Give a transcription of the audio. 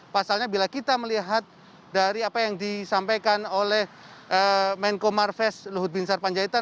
pasalnya bila kita melihat dari apa yang disampaikan oleh menko marves luhut bin sarpanjaitan